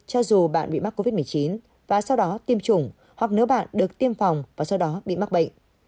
cho dù bạn bị mắc covid một mươi chín và sau đó tiêm chủng hoặc nếu bạn được tiêm phòng và sau đó bị mắc bệnh